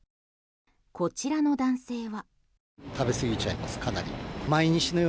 こちらの男性は。